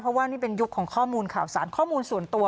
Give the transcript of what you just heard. เพราะว่านี่เป็นยุคของข้อมูลข่าวสารข้อมูลส่วนตัว